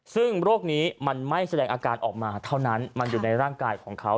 ซึ่งโรคนี้มันไม่แสดงอาการออกมาเท่านั้นมันอยู่ในร่างกายของเขา